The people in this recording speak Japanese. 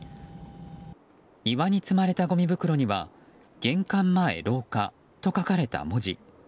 庭に積まれたごみ袋には玄関前、廊下と書かれた文字。